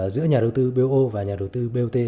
giữa nhà đầu tư bot và nhà đầu tư bot